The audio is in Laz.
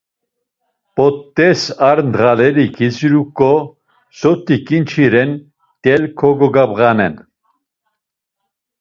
P̌ot̆es ar ndğaleri kidziruǩon, soti ǩinçi ren mtel kogabğenan.